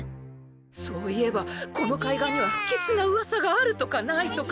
そういえばこの海岸には不吉な噂があるとかないとか。